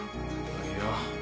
いや。